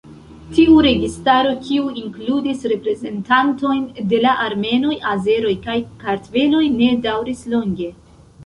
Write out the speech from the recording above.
Tiu registaro, kiu inkludis reprezentantojn de la armenoj, azeroj kaj kartveloj ne daŭris longe.